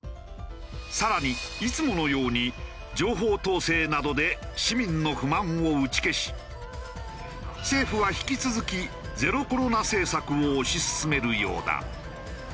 更にいつものように情報統制などで市民の不満を打ち消し政府は引き続きゼロコロナ政策を推し進めるようだ。